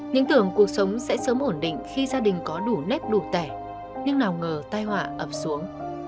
những tưởng cuộc sống sẽ sớm ổn định khi gia đình có đủ nếp đủ tẻ nhưng nào ngờ tai họa ập xuống